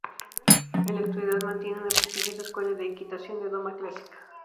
En la actualidad mantiene una prestigiosa Escuela de Equitación de doma clásica.